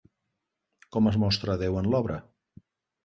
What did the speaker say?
Com es mostra Déu en l'obra?